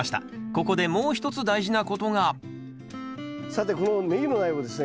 ここでもう一つ大事なことがさてこのネギの苗をですね